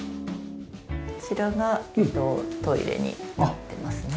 こちらがトイレになってますね。